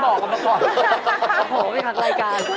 โอ้โหไม่ผ่านรายการ